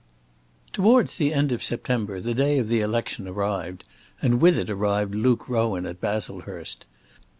Towards the end of September the day of the election arrived, and with it arrived Luke Rowan at Baslehurst.